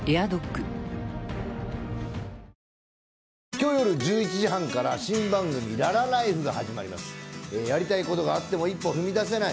今日よる１１時半から新番組「ララＬＩＦＥ」が始まりますやりたいことがあっても一歩踏み出せない